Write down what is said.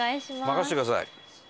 任せてください。